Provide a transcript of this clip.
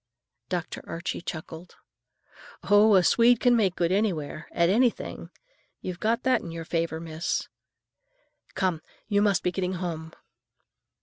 Dr. Archie chuckled. "Oh, a Swede can make good anywhere, at anything! You've got that in your favor, miss. Come, you must be getting home."